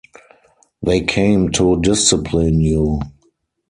They came to discipline you.